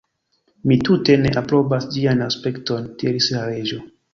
"Mi tute ne aprobas ĝian aspekton," diris la Reĝo.